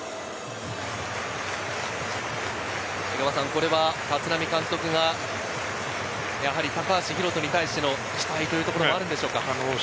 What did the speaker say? これは立浪監督が高橋宏斗に対しての期待というところもあるのでしょうか？